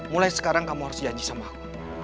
mulai sekarang kamu harus janji sama aku